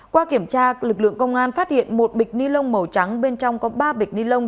qua kiểm tra lực lượng công an phát hiện một bịch ni lông màu trắng bên trong có ba bịch ni lông